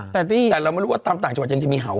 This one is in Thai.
แต่เราไม่รู้ว่าตามต่างจังหวัดยังจะมีเห่า